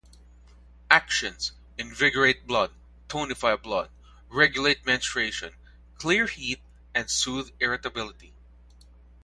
Actions: Invigorate blood, tonify blood, regulate menstruation, clear heat and soothe irritability.